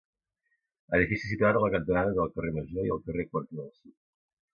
Edifici situat a la cantonada entre el carrer Major i el carrer Quarter del Sud.